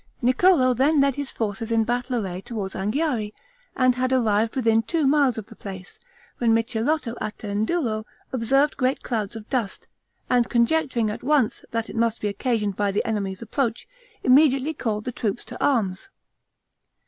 Niccolo then led his forces in battle array toward Anghiari, and had arrived within two miles of the place, when Micheletto Attendulo observed great clouds of dust, and conjecturing at once, that it must be occasioned by the enemy's approach, immediately called the troops to arms.